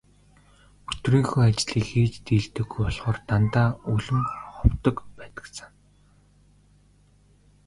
Өдрийнхөө ажлыг хийж дийлдэггүй болохоор дандаа өлөн ховдог байдагсан.